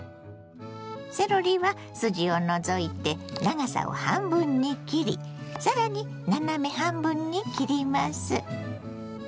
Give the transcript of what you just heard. セロリは筋を除いて長さを半分に切りさらに斜め半分に切ります。